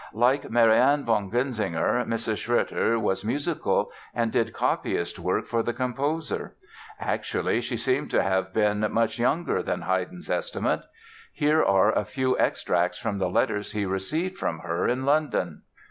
Like Marianne von Genzinger, Mrs. Schroeter was musical and did copyist work for the composer. Actually, she seems to have been much younger than Haydn's estimate. Here are a few extracts from the letters he received from her in London